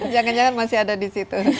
jangan jangan masih ada di situ